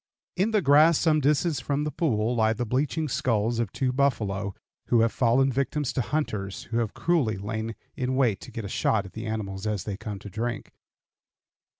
In the grass some distance from the pool lie the bleaching skulls of two buffalo who have fallen victims to hunters who have cruelly lain in wait to get a shot at the animals as they come to drink.